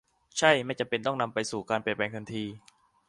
ใช่ ไม่จำเป็นต้องนำไปสู่การเปลี่ยนแปลงทันที